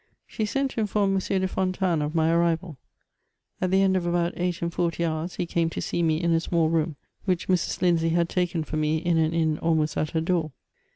She sent to inform M. de Fontanes of my arrival ; at the end of ahout eight and fortj hours he came to see me in a small room, which Mrs. Lindsay had taken for me in an inn almost at her door.